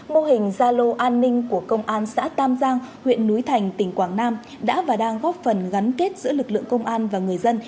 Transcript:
mô hình gia lô an ninh của công an xã tam giang huyện núi thành tỉnh quảng nam đã và đang góp phần gắn kết giữa lực lượng công an và người dân